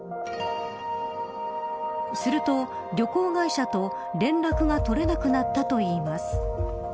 すると旅行会社と連絡が取れなくなったといいます。